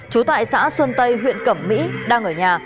trú tại xã xuân tây huyện cẩm mỹ đang ở nhà